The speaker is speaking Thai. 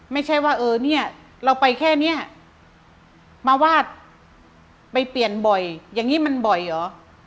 ไม่ใช่ว่าเออเนี่ยเราไปแค่เนี้ยมาวาดไปเปลี่ยนบ่อยอย่างนี้มันบ่อยเหรอ